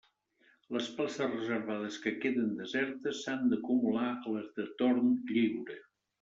Les places reservades que queden desertes s'han d'acumular a les de torn lliure.